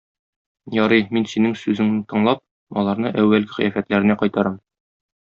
Ярый, мин синең сүзеңне тыңлап, аларны әүвәлге кыяфәтләренә кайтарам.